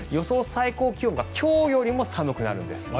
最高気温は今日よりも寒くなるんです。